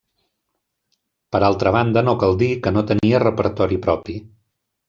Per altra banda no cal dir que no tenia repertori propi.